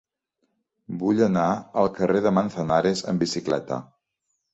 Vull anar al carrer de Manzanares amb bicicleta.